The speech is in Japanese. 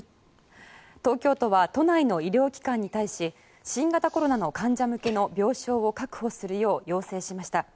東京都は都内の医療機関に対し新型コロナの患者向けの病床を確保するよう要請しました。